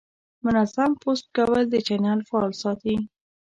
منظم پوسټ کول د چینل فعال ساتي.